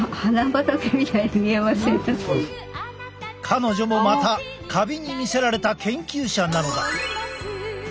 彼女もまたカビに魅せられた研究者なのだ。